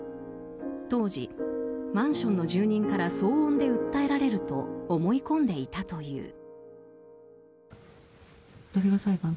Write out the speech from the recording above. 当時、マンションの住人から騒音で訴えられると思い込んでいたという。